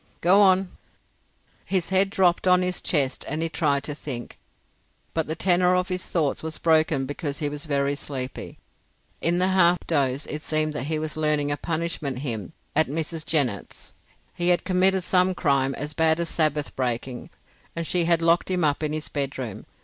"Go on." His head dropped on his chest and he tried to think, but the tenor of his thoughts was broken because he was very sleepy. In the half doze it seemed that he was learning a punishment hymn at Mrs. Jennett's. He had committed some crime as bad as Sabbath breaking, and she had locked him up in his bedroom.